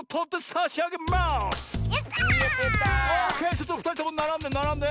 ちょっとふたりともならんでならんで！